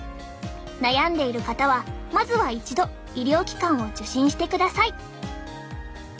悩んでいる方はまずは一度医療機関を受診してください！